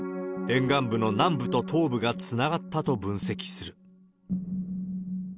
沿岸部の南部と東部がつながったと分析する。